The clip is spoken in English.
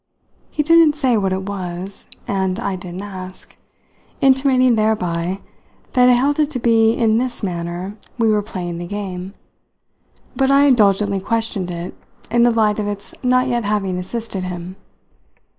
He didn't say what it was, and I didn't ask, intimating thereby that I held it to be in this manner we were playing the game; but I indulgently questioned it in the light of its not yet having assisted him.